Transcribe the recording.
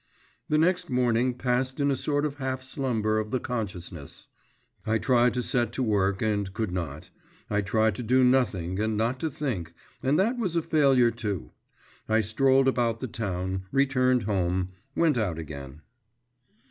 The next morning passed in a sort of half slumber of the consciousness. I tried to set to work, and could not; I tried to do nothing and not to think and that was a failure too. I strolled about the town, returned home, went out again.